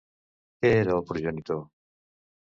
Què era el progenitor?